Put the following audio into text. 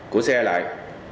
của xe lại